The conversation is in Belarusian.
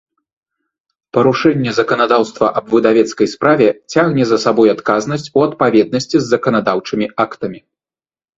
Парушэнне заканадаўства аб выдавецкай справе цягне за сабой адказнасць у адпаведнасцi з заканадаўчымi актамi.